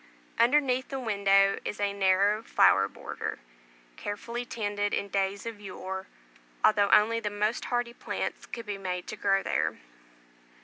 Underneath the windows is a narrow flower border, carefully tended in days of yore, although only the most hardy plants could be made to grow there.